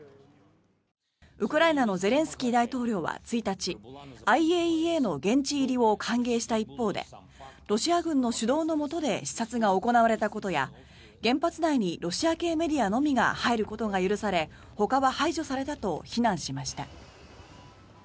ウクライナのゼレンスキー大統領は１日ＩＡＥＡの現地入りを歓迎した一方でロシア軍の主導のもとで視察が行われたことや原発内にロシア系メディアのみが入ることが許されほかは排除されたと非難しました。